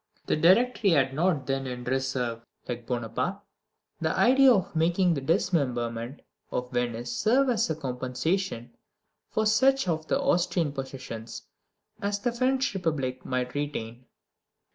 The Directory had not then in reserve, like Bonaparte, the idea of making the dismemberment of Venice serve as a compensation for such of the Austrian possessions as the French Republic might retain.